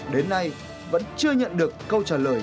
đến nay vẫn chưa nhận được câu trả lời